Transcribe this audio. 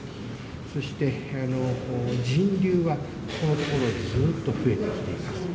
そして人流はこのところずっと増えてきています。